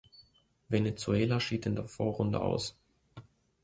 Venezuela schied in der Vorrunde aus.